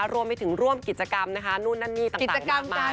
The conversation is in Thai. ร่วมให้ถึงร่วมกิจกรรมนู่นนั่นนี่ต่างมากมาย